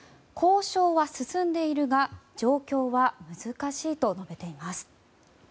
交渉は進んでいるが状況は難しいと述べています。